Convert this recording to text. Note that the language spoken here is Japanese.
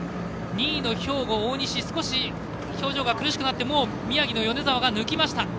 ２位の兵庫、大西少し表情が苦しくなって宮城の米澤が抜きました。